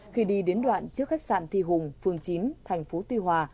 khi đi đến đoạn trước khách sạn thi hùng phường chín tp tuy hòa